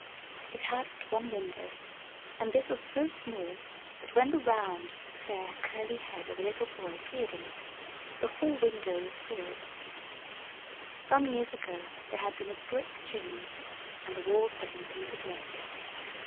It had but one window and this was so small that, when the round, fair, curly head of a little boy appeared in it, the whole window was filled. Some years ago there had been a brick chimney and the walls had been painted red.